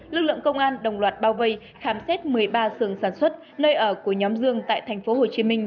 lực lượng công an đồng loạt bao vây khám xét một mươi ba xường sản xuất nơi ở của nhóm dương tại thành phố hồ chí minh